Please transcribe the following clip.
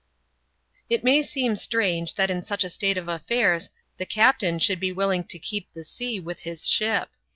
It may seem strange, that in such a state of affairs the cap tain should be willing to keep the sea with his ship.